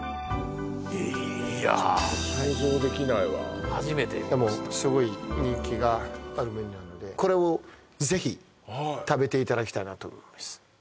いや想像できないわ初めてすごい人気があるメニューなのでこれをぜひ食べていただきたいなと思います